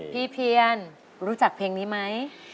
พี่เพียรรุจักเพลงนี้ไหม